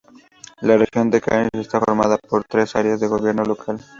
La Región de Cairns está formada por tres áreas de gobierno local.